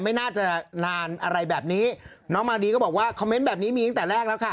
ไม่น่าจะนานอะไรแบบนี้น้องมาดีก็บอกว่าคอมเมนต์แบบนี้มีตั้งแต่แรกแล้วค่ะ